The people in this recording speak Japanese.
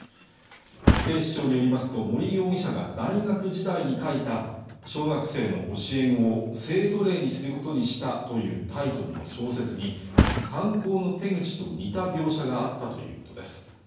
警視庁によりますと森容疑者が大学時代に書いた「小学生の教え子を性奴隷にすることにした」というタイトルの小説に犯行の手口と似た描写があったということです